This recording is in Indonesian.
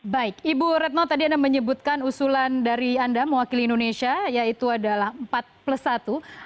baik ibu retno tadi anda menyebutkan usulan dari anda mewakili indonesia yaitu adalah empat plus satu